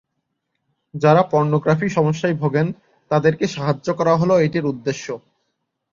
যারা পর্নোগ্রাফি সমস্যায় ভোগেন তাঁদেরকে সাহায্য করা হল এটির উদ্দেশ্য।